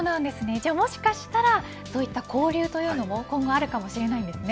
じゃあ、もしかしたらそういった交流というのもあるかもしれないんですね。